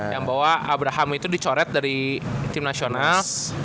yang bawa abraham itu dicoret dari tim nasional